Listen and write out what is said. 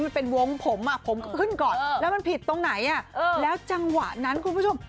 มันเป็นวงผมอ่ะผมก็ขึ้นก่อนแล้วมันผิดตรงไหนอ่ะแล้วจังหวะนั้นคุณผู้ชม